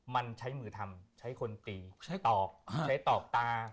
มันใช้มือทำใช้คนตีตอกใช้ตอกตา